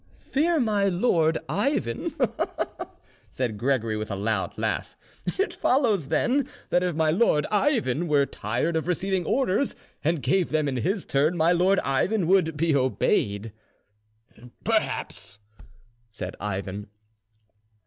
"Fear my lord Ivan!" said Gregory, with a loud laugh. "It follows, then, that if my lord Ivan were tired of receiving orders, and gave them in his turn, my lord Ivan would be obeyed." "Perhaps," said Ivan.